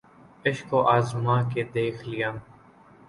عشق کو آزما کے دیکھ لیا